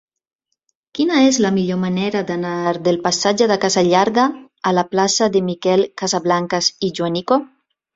Quina és la millor manera d'anar del passatge de Casa Llarga a la plaça de Miquel Casablancas i Joanico?